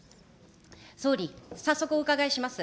総理、早速お伺いします。